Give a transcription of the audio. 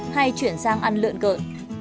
hay chuyển sang ăn lượn cợn